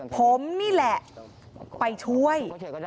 ผมนี่แหละไปช่วย